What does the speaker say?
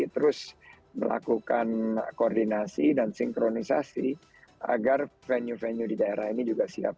terus melakukan koordinasi dan sinkronisasi agar venue venue di daerah ini juga siap